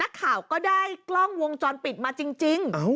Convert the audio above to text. นักข่าวก็ได้กล้องวงจอลปิดมาจริงใจ